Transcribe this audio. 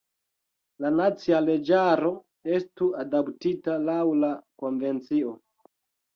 La nacia leĝaro estu adaptita laŭ la konvencio.